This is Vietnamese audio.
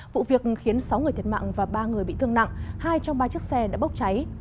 vụ việc khiến sáu người thiệt mạng và ba người bị thương nặng hai trong ba chiếc xe đã bốc cháy